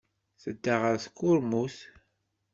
Tedda ɣer tkurmut.